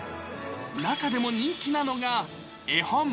中でも人気なのが絵本。